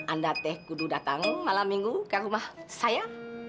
anda teh kudu datang malam minggu ke rumah saya